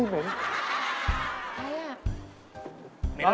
อุ๊ยเหม็นใครล่ะ